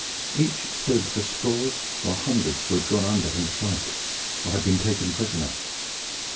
Each stood for scores or hundreds who had gone under in the fight, or been taken prisoner.